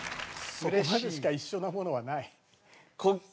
そこまでしか一緒なものはない。